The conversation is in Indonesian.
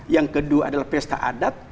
yang kedua adalah pesta adat